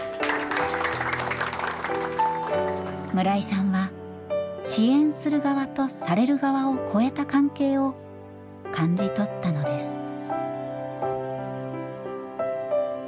村井さんは支援する側とされる側を超えた関係を感じ取ったのです。